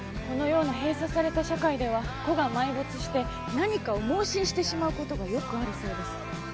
このような閉鎖された社会では個が埋没して何かを妄信してしまう事がよくあるそうです。